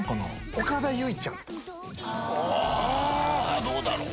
あどうだろう。